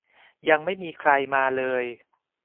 ยังไม่มีใครมาเลย